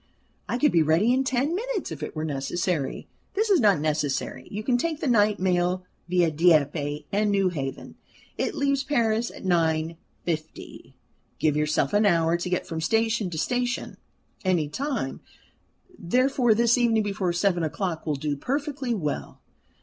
"I could be ready in ten minutes, if it were necessary." "That is not necessary. You can take the night mail via Dieppe and Newhaven. It leaves Paris at 9.50. Give yourself an hour to get from station to station. Any time, therefore, this evening before seven o'clock will do perfectly well.